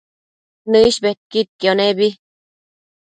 Nëish bedquidquio nebi